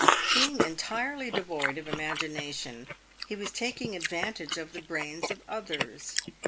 Being entirely devoid of imagination, he was taking advantage of the brains of others.